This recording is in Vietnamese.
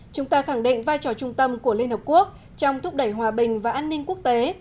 chúng ta khẳng định vai trò trung tâm của liên hợp quốc trong thúc đẩy hòa bình và an ninh quốc tế